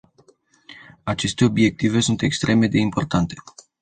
Aceste obiective sunt extreme de importante.